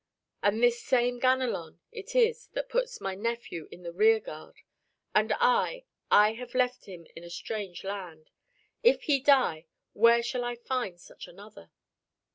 And this same Ganelon it is that puts my nephew in the rear guard. And I, I have left him in a strange land. If he die, where shall I find such another?"